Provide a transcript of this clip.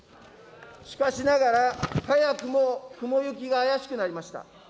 しかしながら、早くも雲行きが怪しくなりました。